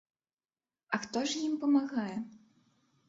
А хто ж ім памагае?